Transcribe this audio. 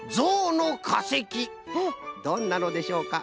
どんなのでしょうか？